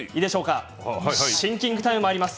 シンキングタイムまいります。